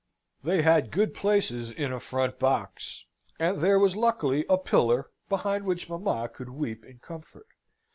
They had good places in a front box, and there was luckily a pillar behind which mamma could weep in comfort.